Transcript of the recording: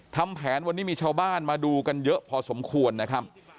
ทำแผนวันนี้มีชาวบ้านมาดูกันเยอะพอสมควรนะครับ